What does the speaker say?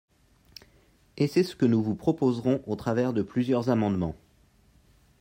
Et c’est ce que nous vous proposerons au travers de plusieurs amendements.